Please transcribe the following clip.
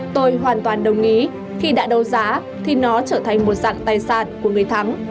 tôi hoàn toàn đồng ý khi đã đấu giá thì nó trở thành một dạng tài sản của người thắng